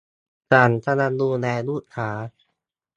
ฉันกำลังดูแลลูกค้า